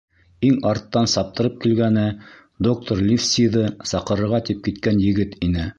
Иң арттан саптырып килгәне доктор Ливсиҙы саҡырырға тип киткән егет ине.